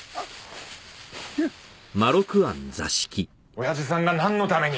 おやじさんがなんのために！